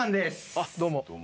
あっどうも。